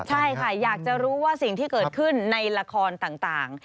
ใช่ค่ะอยากจะรู้ว่าสิ่งที่เกิดขึ้นในละครต่าง